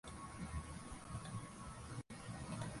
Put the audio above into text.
waziri wa fedha wa uingereza councellor george osborn